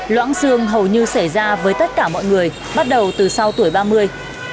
loãng xương hầu như xảy ra với tất cả mọi người bắt đầu từ sau tuổi ba mươi